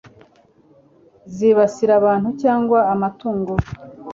zibasira abantu cyangwa amatungo